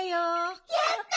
やった！